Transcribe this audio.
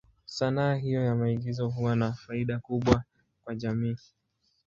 Sanaa hiyo ya maigizo huwa na faida kubwa kwa jamii.